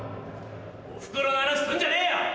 おふくろの話すんじゃねえよ。